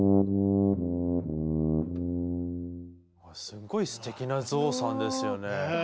すっごいすてきな「ぞうさん」ですよね。